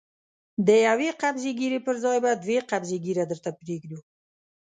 د يوې قبضې ږيرې پر ځای به دوې قبضې ږيره درته پرېږدو.